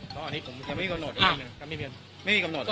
เพราะอันนี้ผมจะไม่มีกำหนดไม่มีกำหนด